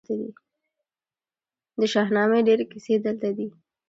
د شاهنامې ډیرې کیسې دلته دي